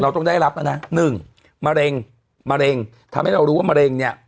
ต้องได้รับแล้วนะหนึ่งมะเร็งมะเร็งทำให้เรารู้ว่ามะเร็งเนี่ย